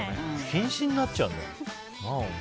禁止になっちゃうんだ。